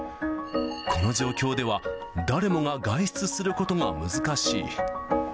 この状況では、誰もが外出することが難しい。